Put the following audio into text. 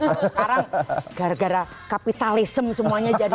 sekarang gara gara kapitalism semuanya jadi